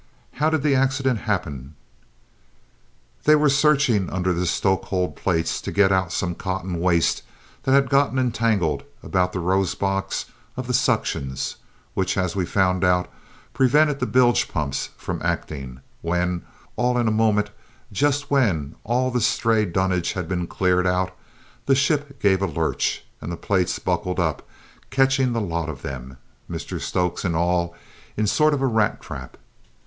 "How did the accident happen?" "They were searching under the stoke hold plates to get out some cotton waste that had got entangled about the rosebox of the suctions, which, as we found out, prevented the bilge pumps from acting, when, all in a moment, just when all the stray dunnage had been cleared out, the ship gave a lurch and the plates buckled up, catching the lot of them, Mr Stokes and all, in a sort of rat trap.